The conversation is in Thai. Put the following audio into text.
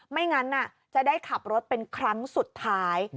ไม่งั้นจะได้ขับรถเป็นครั้งสุดท้าย